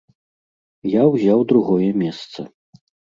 Я ўзяў другое месца.